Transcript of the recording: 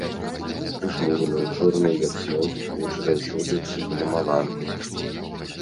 Прыжмураныя, чорныя, як смоль, вочы заўсёды сыпалі маланкі.